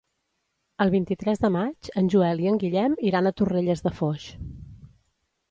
El vint-i-tres de maig en Joel i en Guillem iran a Torrelles de Foix.